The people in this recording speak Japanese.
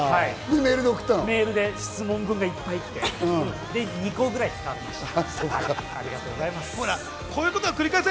メールで質問文がいっぱい来て、２個ぐらい使われました。